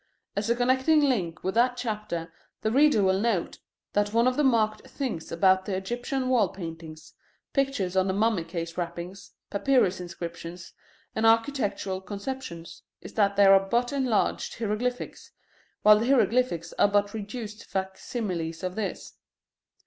As a connecting link with that chapter the reader will note that one of the marked things about the Egyptian wall paintings, pictures on the mummy case wrappings, papyrus inscriptions, and architectural conceptions, is that they are but enlarged hieroglyphics, while the hieroglyphics are but reduced fac similes of these.